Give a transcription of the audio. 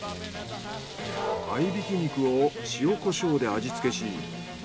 合挽き肉を塩・コショウで味付けし。